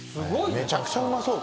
めちゃくちゃうまそう。